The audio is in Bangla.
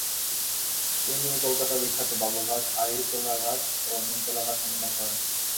তিনি কলকাতার বিখ্যাত বাবুঘাট, আহিরীটোলা ঘাট ও নিমতলা ঘাট নির্মাণ করেন।